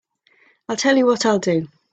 I'll tell you what I'll do.